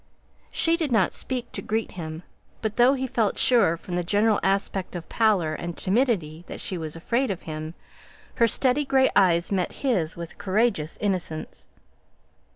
She did not speak to greet him; but though he felt sure from the general aspect of pallor and timidity that she was afraid of him, her steady gray eyes met his with courageous innocence.